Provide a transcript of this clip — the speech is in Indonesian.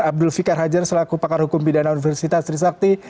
abdul fikar hajar selaku pakar hukum pidana universitas trisakti